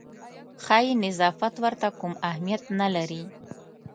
ښایي نظافت ورته کوم اهمیت نه لري.